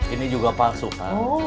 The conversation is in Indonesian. ini juga palsu kang